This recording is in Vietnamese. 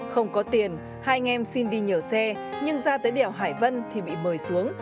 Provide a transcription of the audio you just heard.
không có tiền hai anh em xin đi nhờ xe nhưng ra tới đèo hải vân thì bị mời xuống